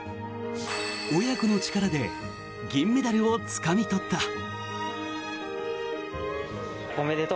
親子の力で銀メダルをつかみ取った。